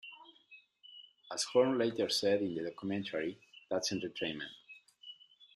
As Horne later said in the documentary That's Entertainment!